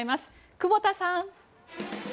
久保田さん。